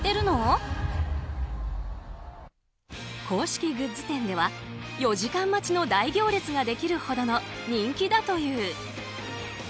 公式グッズ店では４時間待ちの大行列ができるほどの人気だという。